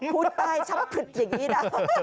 พูดตายชัดอย่างนี้นะ